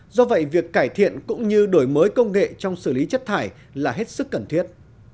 do vậy việc cải thiện cũng như đổi mới công nghệ trong xử lý chất thải là hết sức cần thiết